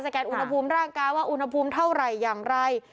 แกนอุณหภูมิร่างกายว่าอุณหภูมิเท่าไหร่อย่างไร